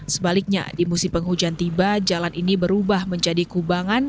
sebaliknya di musim penghujan tiba jalan ini berubah menjadi kubangan